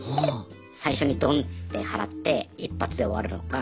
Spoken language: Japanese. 最初にどんって払って一発で終わるのか